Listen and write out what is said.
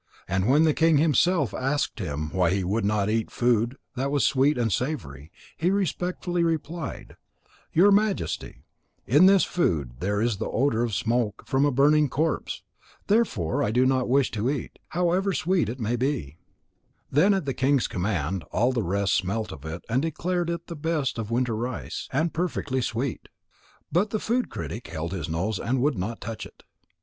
And when the king himself asked him why he would not eat food that was sweet and savoury, he respectfully replied: "Your Majesty, in this food there is the odour of smoke from a burning corpse. Therefore, I do not wish to eat it, however sweet it may be." Then at the king's command all the rest smelt of it and declared it the best of winter rice, and perfectly sweet. But the food critic held his nose and would not touch it.